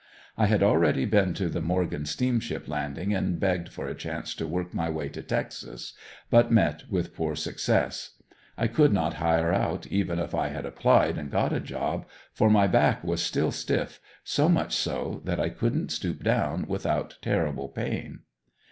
I had already been to the Morgan steamship landing and begged for a chance to work my way to Texas, but met with poor success. I could not hire out even if I had applied and got a job, for my back was still stiff, so much so that I couldn't stoop down without terrible pain.